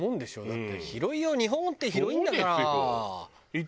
だって広いよ日本って広いんだから。